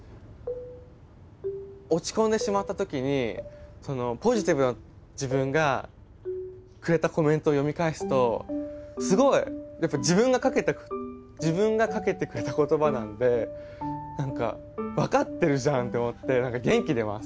落ち込んでしまった時にポジティブな自分がくれたコメントを読み返すとすごいやっぱ自分がかけてくれた言葉なんで「分かってるじゃん！」って思って何か元気出ます！